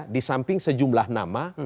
di samping sejumlah nama